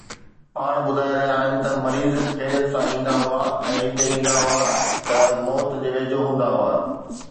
پاڻ ٻڌائي رهيا آهن ته مريض خيريت سان ايندا هئا ۽ هتي ايندا هئا ته موت جي ويجهو هوندا هئا